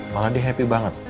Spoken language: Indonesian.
malah dia happy banget